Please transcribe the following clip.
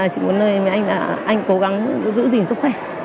chị muốn nơi với anh là anh cố gắng giữ gìn sức khỏe